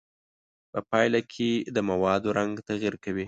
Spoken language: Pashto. په پایله کې د موادو رنګ تغیر کوي.